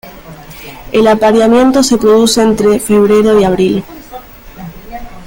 El apareamiento se produce entre febrero y abril.